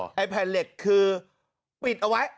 ไอ้แผ่นเหล็กคือปิดเอาไว้